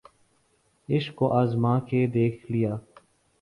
عشق کو آزما کے دیکھ لیا